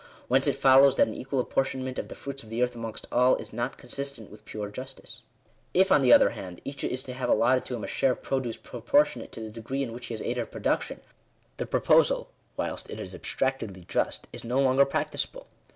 Whence it follows, that an equal apportion ment of the fruits of the earth amongst all, is not consistent with pure justice. If, on the other hand, each is to have allotted to him a share of produce proportionate to the degree in which he has aided production, the proposal, whilst it is abstractedly just, is no longer practicable.